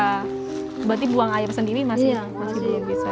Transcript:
berarti buang air sendiri masih belum bisa